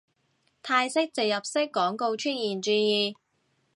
泰式植入式廣告出現注意